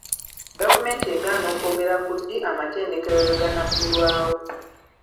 Gavumenti egaana okwogera ku ddi amatendekero lwe ganaggulawo.